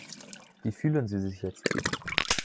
Wie fühlen Sie sich jetzt?